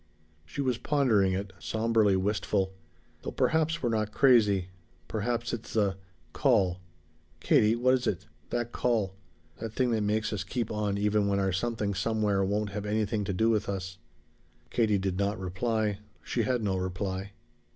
She was pondering it somberly wistful. "Though perhaps we're not crazy. Perhaps it's the call. Katie, what is it? That call? That thing that makes us keep on even when our Something Somewhere won't have anything to do with us?" Katie did not reply. She had no reply.